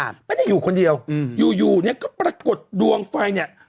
ไม่ได้อยู่คนเดียวอืมอยู่อยู่เนี้ยก็ปรากฏดวงไฟเนี้ย